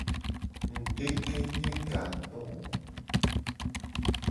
Ngudekenye gato.